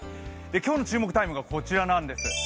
今日の注目タイムがこちらなんです。